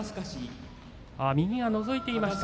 右がのぞいていました。